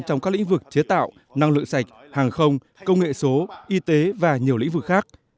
trong các lĩnh vực chế tạo năng lượng sạch hàng không công nghệ số y tế và nhiều lĩnh vực khác